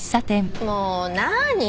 もう何？